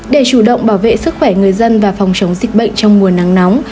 để chủ động bảo vệ sức khỏe người dân và phòng chống dịch bệnh trong mùa nắng nóng